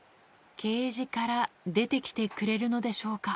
ケージから出て来てくれるのでしょうか？